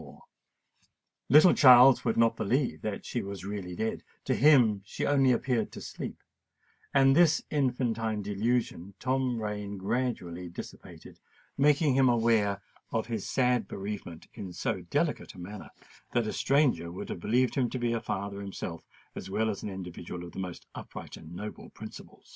The little Charles would not believe that she was really dead; to him she only appeared to sleep; and this infantine delusion Tom Rain gradually dissipated, making him aware of his sad bereavement in so delicate a manner, that a stranger would have believed him to be a father himself as well as an individual of the most upright and noble principles.